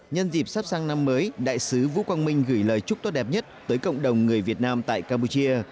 nhân dịp sắp sang năm mới đại sứ vũ quang minh gửi lời chúc tốt đẹp nhất tới cộng đồng người việt nam tại campuchia